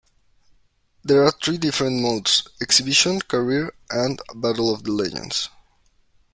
There are three different modes: 'exhibition', 'career', and 'battle of the legends'.